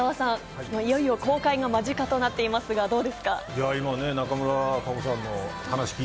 いよいよ公開間近となっていますが小澤さん、いかがですか。